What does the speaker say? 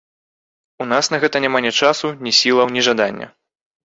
У нас на гэта няма ні часу, ні сілаў, ні жадання.